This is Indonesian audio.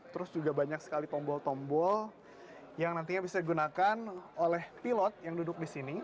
terus juga banyak sekali tombol tombol yang nantinya bisa digunakan oleh pilot yang duduk di sini